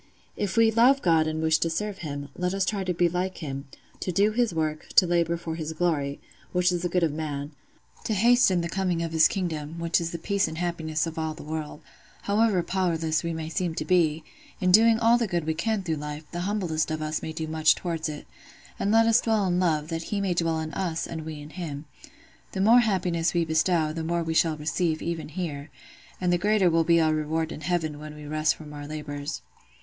If we love God and wish to serve Him, let us try to be like Him, to do His work, to labour for His glory—which is the good of man—to hasten the coming of His kingdom, which is the peace and happiness of all the world: however powerless we may seem to be, in doing all the good we can through life, the humblest of us may do much towards it: and let us dwell in love, that He may dwell in us and we in Him. The more happiness we bestow, the more we shall receive, even here; and the greater will be our reward in heaven when we rest from our labours.